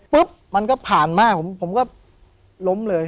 มันก็ผ่านมาผมก็ล้มเลย